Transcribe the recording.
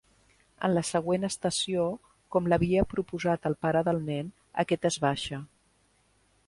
En la següent estació, com l'havia proposat el pare del nen, aquest es baixa.